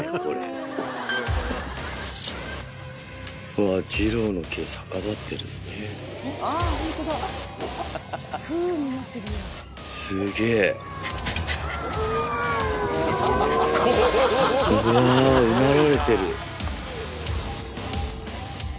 うわうなられてる。